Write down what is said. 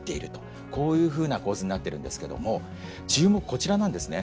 こういうふうな構図になってるんですけども注目こちらなんですね。